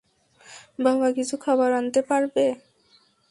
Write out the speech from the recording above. বাবা কিছু খাবার আনতে পারবে?